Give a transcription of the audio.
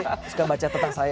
pak jokowi suka baca tetas aja